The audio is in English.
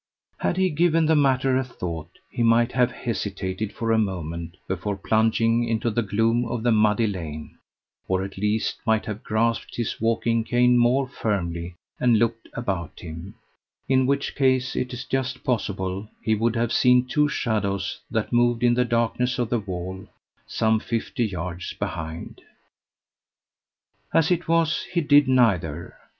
Had he given the matter a thought, he might have hesitated for a moment before plunging into the gloom of the muddy lane, or at least might have grasped his walking cane more firmly and looked about him, in which case it is just possible he would have seen two shadows that moved in the darkness of the wall some fifty yards behind. As it was, he did neither.